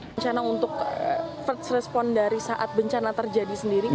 bencana untuk first respond dari saat bencana terjadi sendiri pak